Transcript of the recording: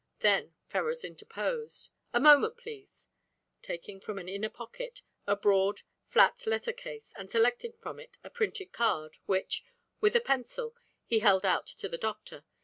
Then Ferrars interposed. "A moment, please," taking from an inner pocket a broad, flat letter case and selecting from it a printed card, which, with a pencil, he held out to the doctor.